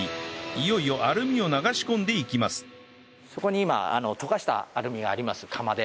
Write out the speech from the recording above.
いよいよそこに今溶かしたアルミがあります釜で。